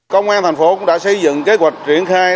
công an thành phố cũng đã xây dựng kế hoạch triển khai